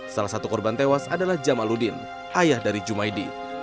salah satu korban tewas adalah jamaludin ayah dari jumaidi